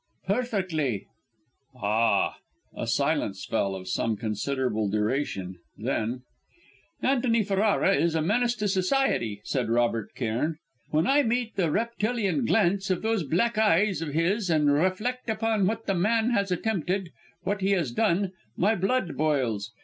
"Perfectly." "Ah!" A silence fell, of some considerable duration, then: "Antony Ferrara is a menace to society," said Robert Cairn. "When I meet the reptilian glance of those black eyes of his and reflect upon what the man has attempted what he has done my blood boils.